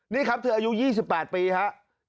นี่ครับเธออายุ๒๘ปีครับ